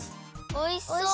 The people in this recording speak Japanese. おいしそう！